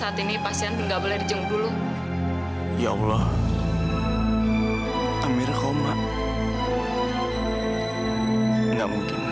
amirah nggak mungkin koma